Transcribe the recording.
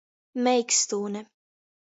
Meikstūne.